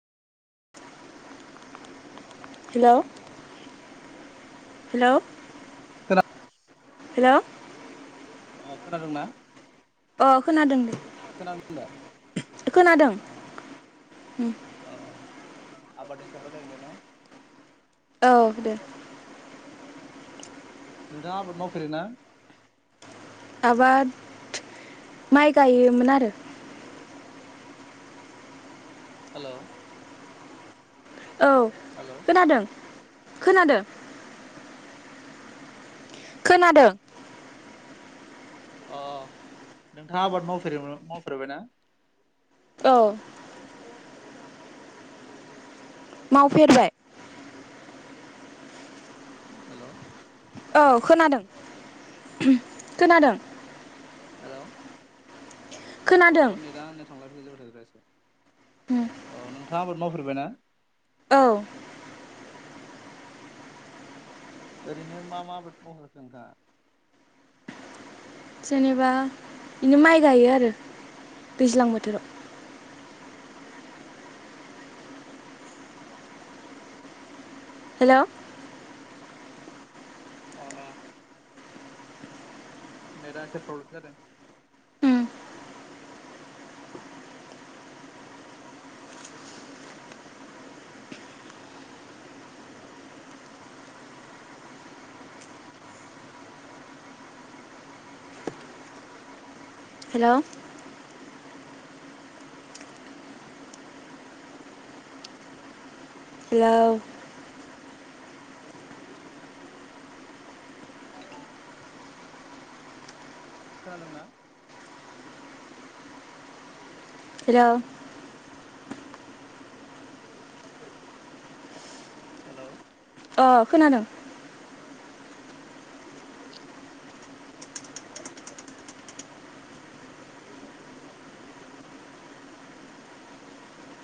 [inaudible] हेल' हेल' खोना हेल' अ खोनादों ना? अ खोनादों दे खोनादों औ आबादनि सायाव रायलायगोन दे न औ दे नोंथाङा आबाद मावफेरोना? आबाद माइ गायोमोन आरो हेल' औ हेल' खोनादों खोनादों? खोनादों अ नोंथाङा आबाद मावफेरोन मावफेरबायना औ मावफेरबाय हेल' औ खोनादों, खोनादों हेल' खोनादों अ नेटा आंनिया थांलाय फैलाय जाबाय थादों र एसे अ नों नोंथाङा आबाद मावफेरबाय ना? औ ओरैनो मा मा आबाद मावफेरदों दा? जेनेबा बिदिनो माइ गायो आरो दैज्लां बोथोराव हेल' अ अ नेटा एसे प्रब्लेम जादों हेलौ हेलौ खोनादोंना हेलौ हेलौ अ खोनादों।